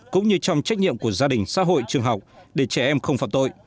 cũng như trong trách nhiệm của gia đình xã hội trường học để trẻ em không phạm tội